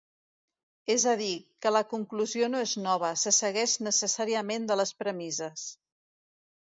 És a dir, que la conclusió no és nova, se segueix necessàriament de les premisses.